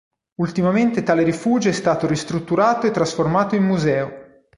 Ultimamente tale rifugio è stato ristrutturato e trasformato in museo.